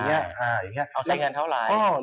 เอาใช้เงินเท่าไหร่